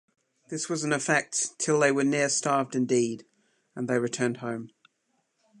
This was in effect "till they were near starved indeed" and they returned home.